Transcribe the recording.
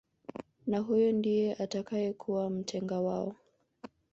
Na huyu ndiye atakayekuwa mtenga wao